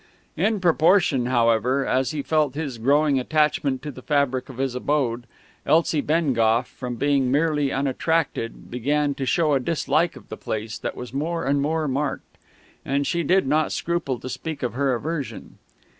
In proportion, however, as he felt this growing attachment to the fabric of his abode, Elsie Bengough, from being merely unattracted, began to show a dislike of the place that was more and more marked. And she did not scruple to speak of her aversion.